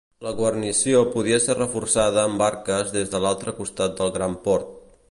La guarnició podia ser reforçada amb barques des de l'altre costat del gran port.